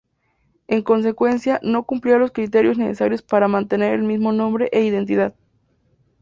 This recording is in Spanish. En consecuencia, no cumplía los criterios necesarios para mantener el mismo nombre e identidad.